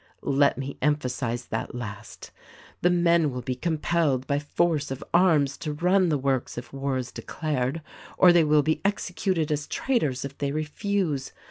Let me emphasize that last ! The men will be compelled, by force of arms, to run the works if war is declared — or they will be executed as traitors if they refuse.